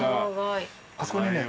あそこにね。